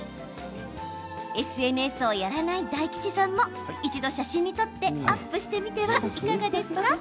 ＳＮＳをやらない大吉さんも一度、写真に撮ってアップしてみてはいかがですか？